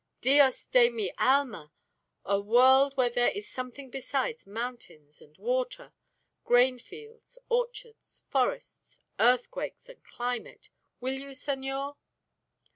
DIOS DE MI ALMA! A world where there is something besides mountains and water, grain fields, orchards, forests, earthquakes, and climate? Will you, senor?"